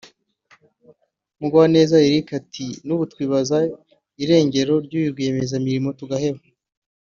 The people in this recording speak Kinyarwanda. Mugwaneza Eric ati “N’ubu tubaza irengero ry’uyu rwiyemezamirimo tugaheba